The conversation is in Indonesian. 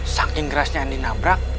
saking kerasnya yang dinabrak